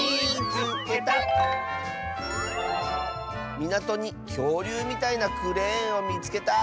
「みなとにきょうりゅうみたいなクレーンをみつけた！」。